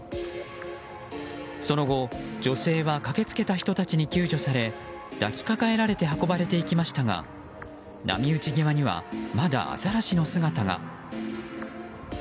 その後、女性は駆けつけた人たちに救助され抱きかかえられて運ばれていきましたが波打ち際にはまだアザラシの姿が。